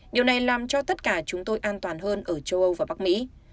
điều này làm cho tất cả chúng tôi an toàn hơn ở châu âu và bắc mỹ